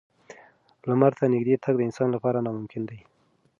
لمر ته نږدې تګ د انسان لپاره ناممکن دی.